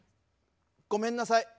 ごめんなさい。